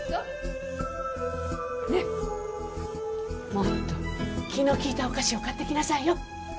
もっと気の利いたお菓子を買ってきなさいよ。